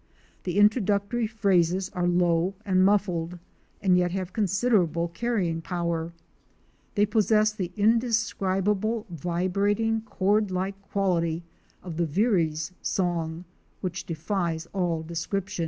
The introductory phrases are low and muffled and yet have considerable carrying power. A GOLD MINE IN THE WILDERNESS. 189 They possess the indescribable vibrating chord like quality of the Veery's song which defies all description.